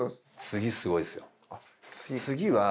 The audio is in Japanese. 次すごいですよ次は。